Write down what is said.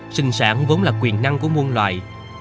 sinh sản vốn là quyền năng của muôn loài